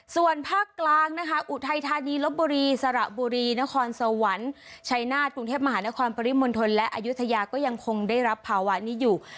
ส่วนภาคกลางนะคะอุทัยธานีลบบุรีสระบุรีนครสวรรค์ชัยนาฏกรุงเทพมหานครปริมณฑลและอายุทยาก็ยังคงได้รับภาวะนี้อยู่